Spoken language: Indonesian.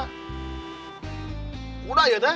kuda aja deh